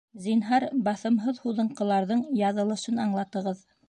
Зинһар, баҫымһыҙ һуҙынҡыларҙың яҙылышын аңлатығыҙ